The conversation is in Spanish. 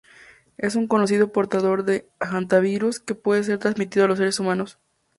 Es un conocido portador de hantavirus, que pueden ser trasmitido a los seres humanos.